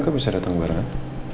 jadi saya akan datang ke kamar amat